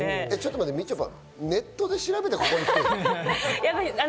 待ってみちょぱ、ネットで調べてここに来てるの？